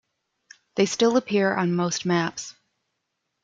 They still appear on most maps.